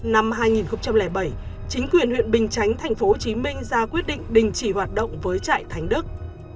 năm hai nghìn bảy chính quyền huyện bình chánh thành phố hồ chí minh ra quyết định đình chỉ hoạt động với trại thánh đức